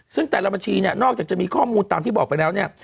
ซึ่งแต่ละบัญชีเนี่ยนอกจากจะมีข้อมูลตามที่บอกไปแล้วเนี่ย